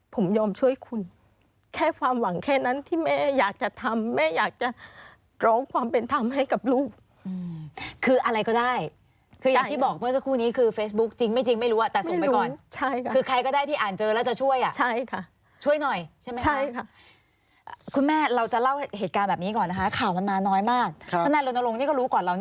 ผมยอมช่วยคุณแค่ความหวังแค่นั้นที่แม่อยากจะทำแม่อยากจะร้องความเป็นธรรมให้กับลูกคืออะไรก็ได้คืออย่างที่บอกเมื่อสักครู่นี้คือเฟซบุ๊คจริงไม่จริงไม่รู้อ่ะแต่ส่งไปก่อนใช่ค่ะคือใครก็ได้ที่อ่านเจอแล้วจะช่วยอ่ะใช่ค่ะช่วยหน่อยใช่ไหมใช่ค่ะคุณแม่เราจะเล่าเหตุการณ์แบบนี้ก่อนนะคะข่าวมันมาน้อยมากทนายรณรงค์นี่ก็รู้ก่อนเรา